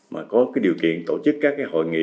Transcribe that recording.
mà có cái điều kiện tổ chức các cái hội nghị